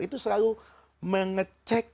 itu selalu mengecek